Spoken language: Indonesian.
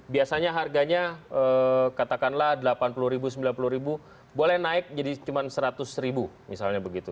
biasanya harganya katakanlah rp delapan puluh ribu sembilan puluh ribu boleh naik jadi cuma seratus ribu misalnya begitu